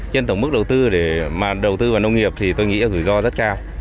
trên tổng mức đầu tư để mà đầu tư vào nông nghiệp thì tôi nghĩ là rủi ro rất cao